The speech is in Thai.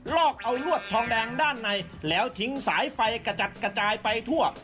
ลอกเอาลวดทองแดงด้านในแล้วทิ้งสายไฟกระจัดกระจายไปทั่ว